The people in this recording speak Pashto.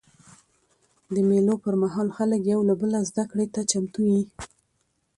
د مېلو پر مهال خلک یو له بله زدهکړې ته چمتو يي.